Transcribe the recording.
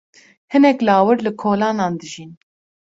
Hinek lawir li kolanan dijîn.